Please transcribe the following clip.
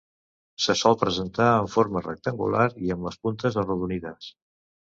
Se sol presentar en forma rectangular i amb les puntes arrodonides.